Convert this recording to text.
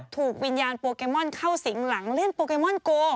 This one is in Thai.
ถูกวิญญาณโปเกมอนเข้าสิงหลังเล่นโปเกมอนโก